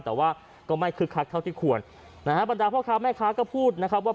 แต่ว่าก็ไม่คึกคักเท่าที่ควรนะฮะบรรดาพ่อค้าแม่ค้าก็พูดนะครับว่า